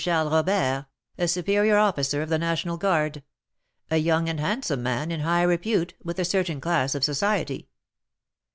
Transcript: Charles Robert, a superior officer of the National Guard, a young and handsome man, in high repute with a certain class of society.